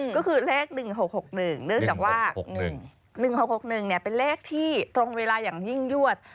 ก็คือเลข๑๖๖๑เนื่องจากว่า๑๖๖๑เป็นเลขที่ตรงเวลาอย่างยิ่งยวด